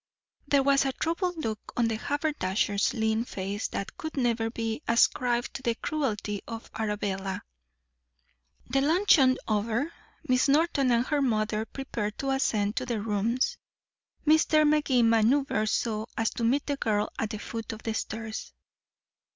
There was a troubled look on the haberdasher's lean face that could never be ascribed to the cruelty of Arabella. The luncheon over, Miss Norton and her mother prepared to ascend to their rooms. Mr. Magee maneuvered so as to meet the girl at the foot of the stairs.